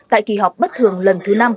tại kỳ họp bất thường lần thứ năm